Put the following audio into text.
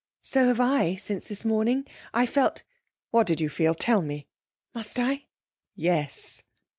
'So have I, since this morning. I felt ' 'What did you feel? Tell me!' 'Must I?' 'Yes!'